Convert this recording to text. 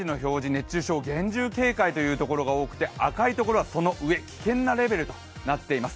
熱中症厳重警戒というところが多くて、赤いところはその上、危険なレベルとなっています。